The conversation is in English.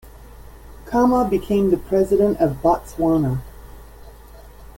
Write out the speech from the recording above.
Khama became the president of Botswana.